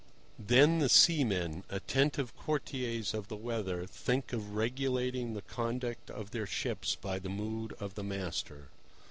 Then the seamen, attentive courtiers of the weather, think of regulating the conduct of their ships by the mood of the master.